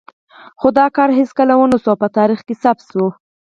خو دا کار هېڅکله ونه شو او په تاریخ کې ثبت دی.